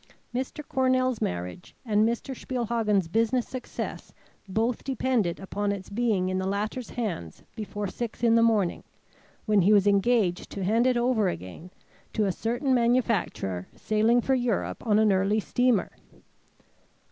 Mr. Cornell's marriage and Mr. Spielhagen's business success both depended upon its being in the latter's hands before six in the morning, when he was engaged to hand it over again to a certain manufacturer sailing for Europe on an early steamer.